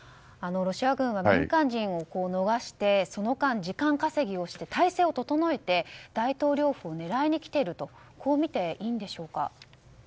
ロシア軍は民間人を逃してその間、時間稼ぎをして態勢を整えて大統領府を狙いに来ているとこう見ていいんでしょうか。